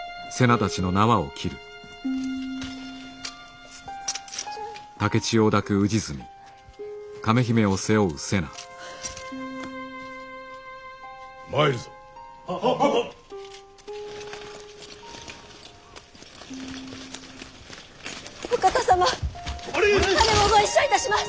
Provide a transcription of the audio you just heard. たねもご一緒いたします！